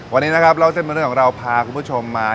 วันนี้นะครับเล่าเส้นเป็นเรื่องของเราพาคุณผู้ชมมา